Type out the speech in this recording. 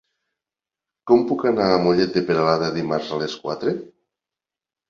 Com puc anar a Mollet de Peralada dimarts a les quatre?